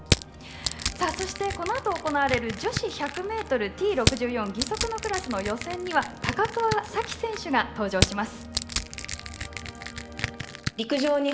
そして、このあと行われる女子１００ｍＴ６４義足のクラスの予選には高桑早生選手が登場します。